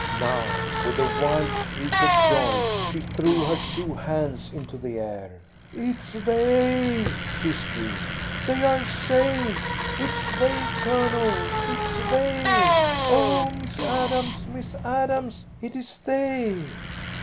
Now, with a wild shriek of joy, she threw her two hands into the air. "It's they!" she screamed. "They are saved! It's they, Colonel, it's they! Oh, Miss Adams, Miss Adams, it is they!"